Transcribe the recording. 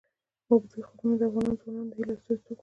اوږده غرونه د افغان ځوانانو د هیلو استازیتوب کوي.